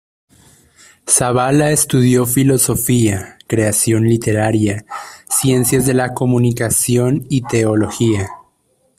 Zavala estudió filosofía, creación literaria, ciencias de la comunicación y teología.